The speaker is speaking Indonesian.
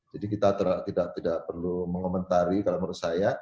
jadi kita tidak perlu mengomentari kalau menurut saya